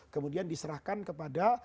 kemudian diserahkan kepada